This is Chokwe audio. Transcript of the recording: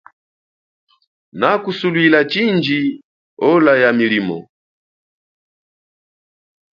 Na kusulwila chindji ola ya milimo.